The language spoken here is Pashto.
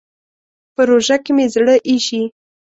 په روژه کې مې زړه اېشي.